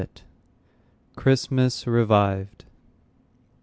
CHRISTMAS REVIVED.